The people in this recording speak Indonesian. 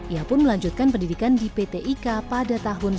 ia pun melanjutkan pendidikan di pt ika pada tahun seribu sembilan ratus sembilan puluh